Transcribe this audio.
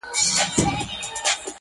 د غمونو درته مخ د خوښۍ شا سي،